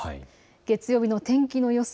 月曜日の天気の予想。